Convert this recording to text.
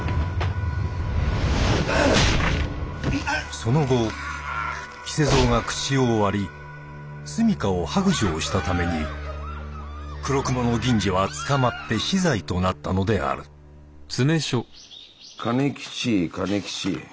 その後伊勢蔵が口を割り住みかを白状したために黒雲の銀次は捕まって死罪となったのである兼吉兼吉。